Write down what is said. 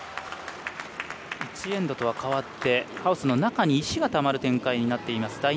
１エンドとは変わってハウスの中に石がたまる展開になっています。